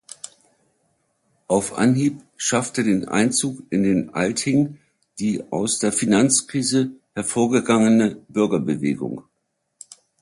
Auf Anhieb schaffte den Einzug in den Althing die aus der Finanzkrise hervorgegangene "Bürgerbewegung".